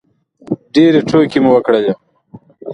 ډېرې ټوکې مو وکړلې